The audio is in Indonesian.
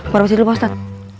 berbicara dulu bang ustaz